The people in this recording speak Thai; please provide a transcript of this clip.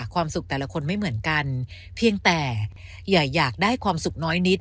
ความสุขแต่ละคนไม่เหมือนกันเพียงแต่อย่าอยากได้ความสุขน้อยนิด